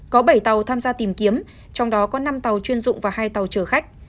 có bảy tàu tham gia tìm kiếm trong đó có năm tàu chuyên dụng và hai tàu chở khách